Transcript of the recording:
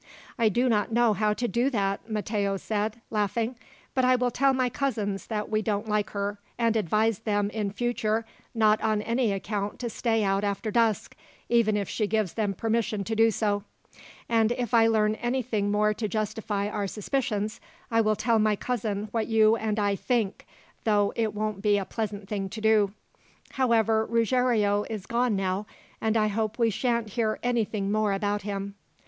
"I do not know how to do that," Matteo said, laughing; "but I will tell my cousins that we don't like her, and advise them, in future, not on any account to stay out after dusk, even if she gives them permission to do so; and if I learn anything more to justify our suspicions, I will tell my cousin what you and I think, though it won't be a pleasant thing to do. However, Ruggiero is gone now, and I hope we sha'n't hear anything more about him."